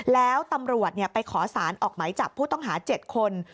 แล้วตำรวจไปขอสารออกไหมจับผู้ต้องหา๗คน